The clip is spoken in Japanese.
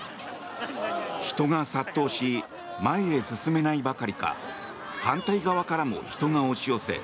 人が殺到し前へ進めないばかりか反対側からも人が押し寄せ